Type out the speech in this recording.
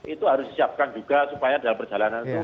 itu harus disiapkan juga supaya dalam perjalanan itu